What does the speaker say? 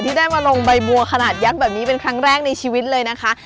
ได้มาลงใบบัวขนาดยักษ์แบบนี้เป็นครั้งแรกในชีวิตเลยนะคะ